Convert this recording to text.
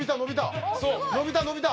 伸びた伸びた！